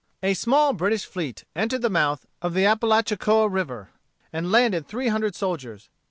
A small British fleet entered the mouth of the Apalachicola River and landed three hundred soldiers.